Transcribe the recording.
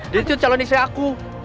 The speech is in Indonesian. dia itu calon istri aku